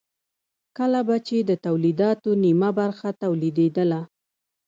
کله به چې د تولیداتو نیمه برخه تولیدېدله